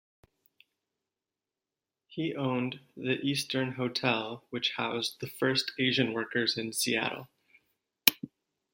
He owned the Eastern Hotel which housed the first Asian workers in Seattle.